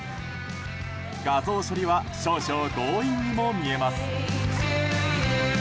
画像処理は少々、強引にも見えます。